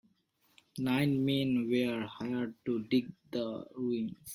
Nine men were hired to dig the ruins.